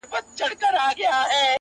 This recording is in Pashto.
انقلابي نامي نن په نسه کي ډوب و”